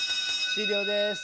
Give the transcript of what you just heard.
終了です。